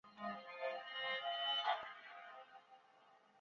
矮生多裂委陵菜为蔷薇科委陵菜属下的一个变种。